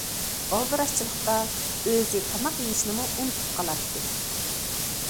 ئالدىراشچىلىقتا ئۆزى تاماق يېيىشنىمۇ ئۇنتۇپ قالاتتى.